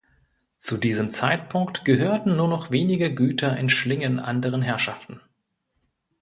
Zu diesem Zeitpunkt gehörten nur noch wenige Güter in Schlingen anderen Herrschaften.